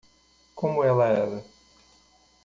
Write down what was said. Como ela era?